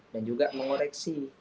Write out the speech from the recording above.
dan juga mengoreksi